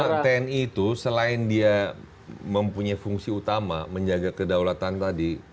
karena tni itu selain dia mempunyai fungsi utama menjaga kedaulatan tadi